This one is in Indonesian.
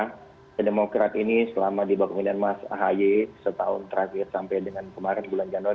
karena demokrat ini selama di bawah pemilihan mas ahaye setahun terakhir sampai dengan kemarin bulan januari